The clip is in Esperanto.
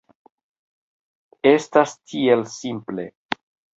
Estas tiel simple!